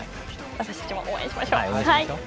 私たちも応援しましょう。